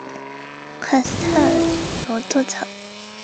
卡斯泰尔诺多藏。